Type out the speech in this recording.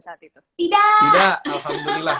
saat itu tidak alhamdulillah